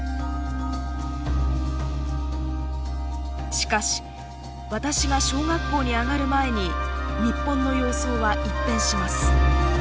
しかし私が小学校に上がる前に日本の様相は一変します。